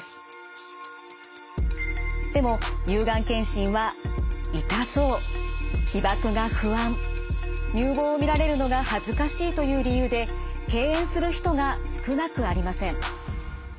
でも乳がん検診は痛そう被ばくが不安乳房を見られるのが恥ずかしいという理由で敬遠する人が少なくありません。